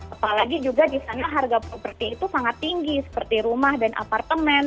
apalagi juga di sana harga properti itu sangat tinggi seperti rumah dan apartemen